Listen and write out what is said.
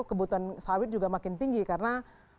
kebutuhan sawit juga makin tinggi karena